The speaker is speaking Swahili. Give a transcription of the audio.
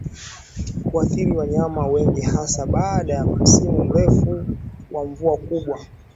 Huathiri wanyama wengi hasa baada ya msimu mrefu wa mvua kubwa